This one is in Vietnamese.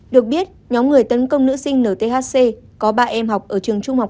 được biết nhóm người tấn công nữ sinh nthc có ba em học ở trường trung học